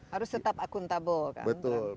harus tetap akuntabel kan